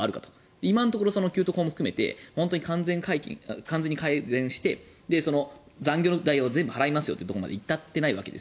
今のところ給特法も含めて完全に改善して残業代を全部払いますよというところまで至ってないわけです。